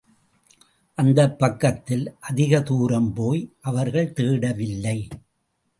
அந்தப் பக்கத்தில் அதிக தூரம் போய் அவர்கள் தேடவில்லை.